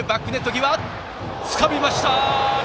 つかみました！